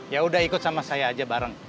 ya udah ikut sama saya aja bareng